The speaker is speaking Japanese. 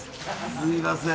すみません。